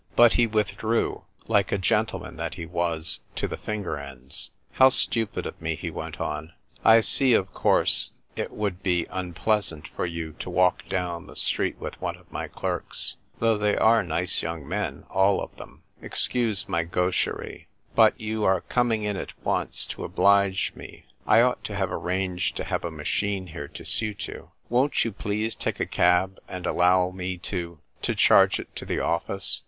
But he withdrew, like a gentleman that he was to the finger ends. " How stupid of me! " he went on. "I see, of course, it would 130 THE TYPE WRITER GIRL. be unpleasant for you to walk down the street with one of my clerks — though they are nice young men, all of them. Excuse my gamheric. Hut — you are coming in at once to oblige me ; I ought to have arranged to have a machine here to suit you. Won't you please take a cab, and allow me to — to charge it to the office?"